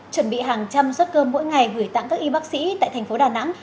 chuẩn bị hàng trăm suất cơm mỗi ngày gửi tặng các y bác sĩ tại thành phố đà nẵng